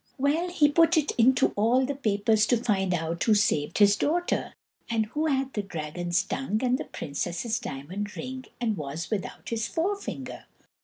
Well, he put it into all the papers to find out who saved his daughter, and who had the dragon's tongue and the princess's diamond ring, and was without his forefinger.